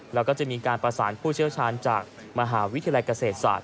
แล้วก็จะมีการประสานผู้เชี่ยวชาญจากมหาวิทยาลัยเกษตรศาสต